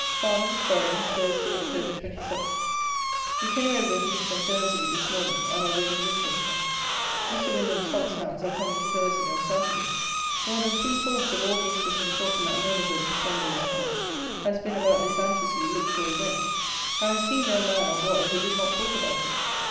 Farnham, Surrey, Thursday, Oct. 27th. We came over the heath from Thursley, this morning, on our way to Winchester. Mr. Wyndham's fox hounds are coming to Thursley on Saturday. More than three fourths of all the interesting talk in that neighbourhood, for some days past, has been about this anxiously looked for event. I have seen no man, or boy, who did not talk about it.